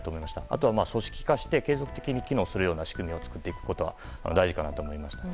あとは組織化して継続的に機能するような仕組みを作っていくことが大事かなと思いました。